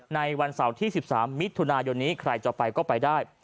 ในวันเสาร์ที่๑๓มิถุนายนนี้ใครจะไปก็ไปได้